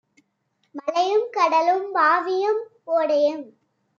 மலையும், கடலும், வாவியும், ஓடையும்